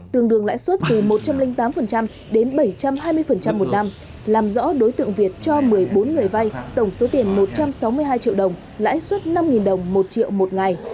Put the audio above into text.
tương đương lãi suất từ một trăm linh tám đến bảy trăm hai mươi một năm làm rõ đối tượng việt cho một mươi bốn người vai tổng số tiền một trăm sáu mươi hai triệu đồng lãi suất năm đồng một triệu một ngày